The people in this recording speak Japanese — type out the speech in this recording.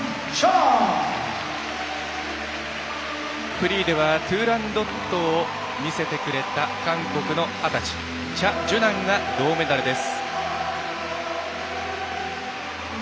フリーでは「トゥーランドット」を見せてくれた韓国の二十歳、チャ・ジュナンが銅メダルです。